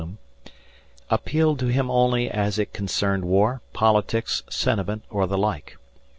appealed to him only as it concerned war, politics, sentiment, or the like.